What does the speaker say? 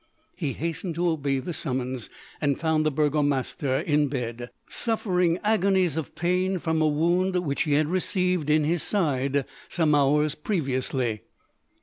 He hastened to obey the summons, and found the Burgomaster in bed, suffering agonies of pain from a wound which he had received in his side some hours previously.